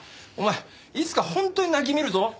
お前いつか本当に泣き見るぞ。